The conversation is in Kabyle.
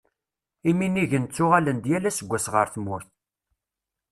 Iminigen ttuɣalen-d yal aseggas ɣer tmurt.